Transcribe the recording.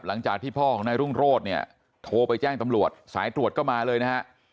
หลังจากที่พ่อของนายรุ่งโรธเนี่ยโทรไปแจ้งตำรวจสายตรวจก็มาเลยนะฮะ